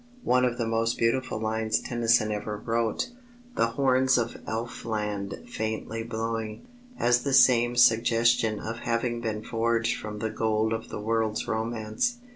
One of the most beautiful lines Tennyson ever wrote: The horns of Elfland faintly blowing, has the same suggestion of having been forged from the gold of the world's romance.